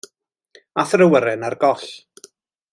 A'th yr awyren ar goll.